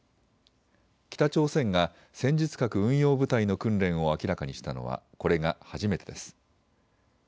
北朝鮮が戦術核運用部隊の訓練を明らかにしたのはこれが初めてです。